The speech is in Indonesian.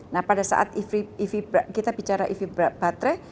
nah pada saat kita bicara ev baterai